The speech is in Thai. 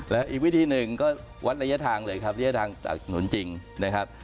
และอีกวิธีหนึ่งก็วัดระยะทางเลยครับระยะทางจากถนนจริงนะครับ